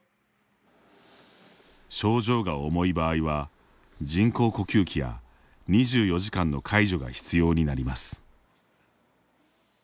症状が重い場合は、人工呼吸器や２４時間の介助が必要になります。